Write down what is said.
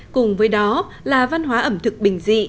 cùng với đó là văn hóa ẩm thực bình dị